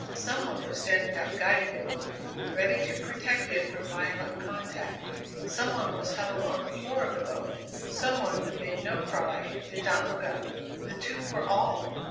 Some one was standing up guiding the boat, ready to protect it from violent contact; some one was huddled on the floor of the boat some one who made no cry, did not look up. They two were all!